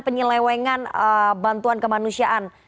penyelewengan bantuan kemanusiaan